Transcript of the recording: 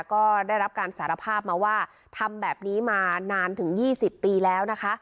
ก็ได้รับการสารภาพมาว่าทำแบบนี้มานานถึง๒๐ปีแล้วนะคะ